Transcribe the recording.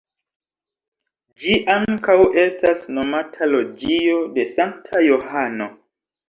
Ĝi ankaŭ estas nomata Loĝio de Sankta Johano.